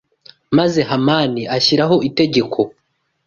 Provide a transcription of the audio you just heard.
Maze hamani ashyiraho itegeko